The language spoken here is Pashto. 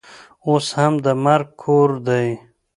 اوس هم د مرګ کور دی.